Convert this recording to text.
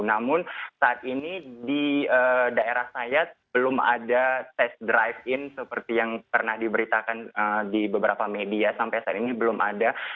namun saat ini di daerah saya belum ada tes drive in seperti yang pernah diberitakan di beberapa media sampai saat ini belum ada